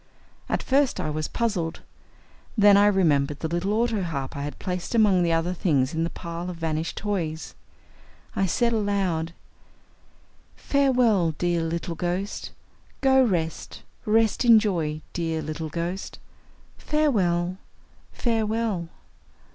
At first I was puzzled. Then I remembered the little autoharp I had placed among the other things in that pile of vanished toys. I said aloud: "Farewell, dear little ghost. Go rest. Rest in joy, dear little ghost. Farewell, farewell."